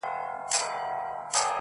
موږکان ډېر دي حیران ورته سړی دی،